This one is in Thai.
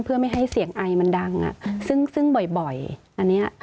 เพื่อไม่ให้เสียงไอมันดังซึ่งบ่อยอันนี้